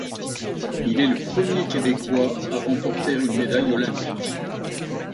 Il est le premier Québécois à remporter une médaille olympique.